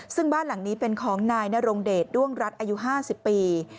ซึ่งบ้านหลังนี้เป็นของนายนรงเดชด้วงรัฐอายุ๕๐ปี